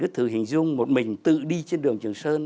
thử hình dung một mình tự đi trên đường trường sơn